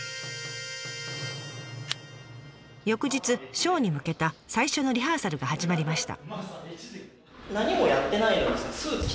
翌日ショーに向けた最初のリハーサルが始まりました。